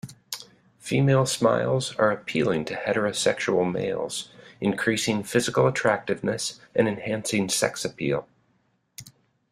Female smiles are appealing to heterosexual males, increasing physical attractiveness and enhancing sex appeal.